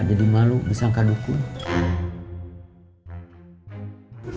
jadi malu bisa kan dukun